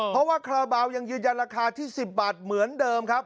เพราะว่าคาราบาลยังยืนยันราคาที่๑๐บาทเหมือนเดิมครับ